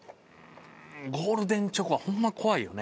ゴールデンチョコはホンマ怖いよね。